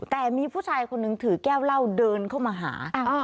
แต่มีผู้ชายคนนึงถือแก้วเหล้าเดินเข้ามาหา